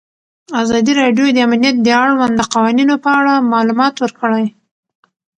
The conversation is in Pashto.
ازادي راډیو د امنیت د اړونده قوانینو په اړه معلومات ورکړي.